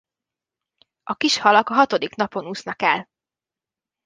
A kis halak a hatodik napon úsznak el.